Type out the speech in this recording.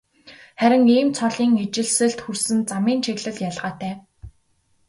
Харин ийм цолын ижилсэлд хүрсэн замын чиглэл ялгаатай.